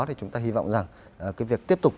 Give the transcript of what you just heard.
thì chúng ta hy vọng rằng cái việc tiếp tục